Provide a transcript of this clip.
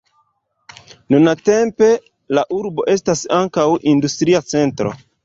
Nuntempe la urbo estas ankaŭ industria centro.